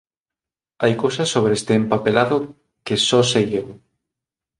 Hai cousas sobre este empapelado que só sei eu.